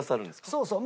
そうそう。